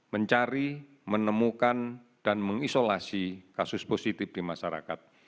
mencari menemukan dan mengisolasi kasus positif di masyarakat